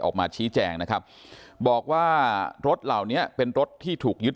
ออกมาชี้แจงนะครับบอกว่ารถเหล่านี้เป็นรถที่ถูกยึด